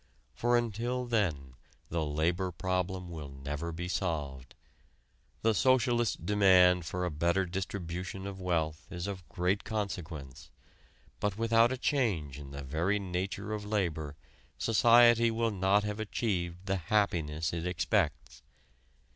For until then the labor problem will never be solved. The socialist demand for a better distribution of wealth is of great consequence, but without a change in the very nature of labor society will not have achieved the happiness it expects.